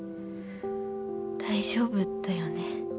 大丈夫だよね。